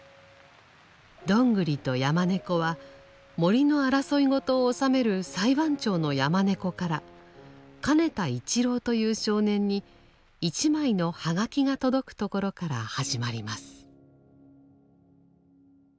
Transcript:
「どんぐりと山猫」は森の争いごとをおさめる裁判長の山猫から「かねた一郎」という少年に一枚のはがきが届くところから始まります。